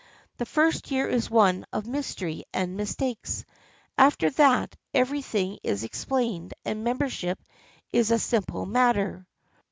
The first year is one of mystery and mistakes. After that every thing is explained and membership is a simple matter.